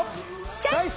チョイス！